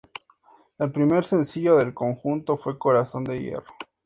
El primer sencillo del conjunto fue Corazón de Hierro.